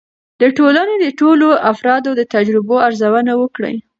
د ټولنې د ټولو افرادو د تجربو ارزونه وکړئ.